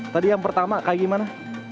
tadi yang pertama kayak gimana